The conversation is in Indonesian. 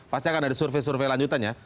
pasti akan ada survei survei lanjutannya